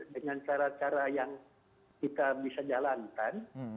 dengan cara cara yang kita bisa jalankan